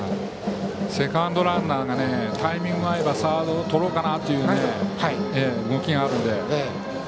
セカンドランナーがタイミングが合えばサードをとろうかなという動きがあるので。